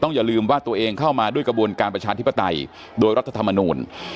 อย่าลืมว่าตัวเองเข้ามาด้วยกระบวนการประชาธิปไตยโดยรัฐธรรมนูล